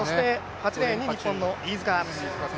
８レーンに日本の飯塚。